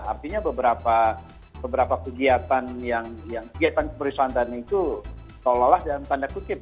artinya beberapa kegiatan yang kegiatan keperluan antaranya itu tololah dalam tanda kutip